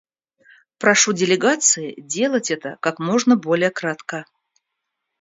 Прошу делегации делать это как можно более кратко.